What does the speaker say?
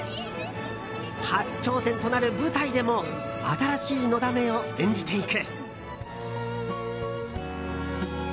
初挑戦となる舞台でも新しいのだめを演じていく。